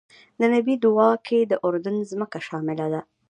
د نبی دعا کې د اردن ځمکه شامله ده.